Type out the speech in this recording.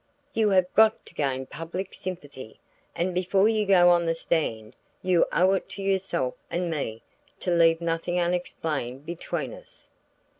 You have got to gain public sympathy, and before you go on the stand you owe it to yourself and me to leave nothing unexplained between us."